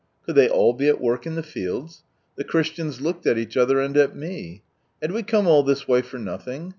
Could they all be at work in the fields? The Christians looked at each other and at me. Had we come all this way for nothing?